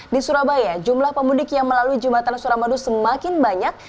di surabaya jumlah pemudik yang melalui jembatan suramadu semakin banyak